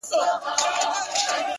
o ته مي د ښكلي يار تصوير پر مخ گنډلی؛